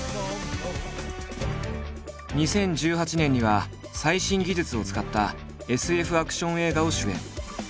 ２０１８年には最新技術を使ったＳＦアクション映画を主演。